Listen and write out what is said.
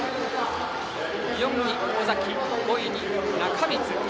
４位に尾崎、５位に仲光。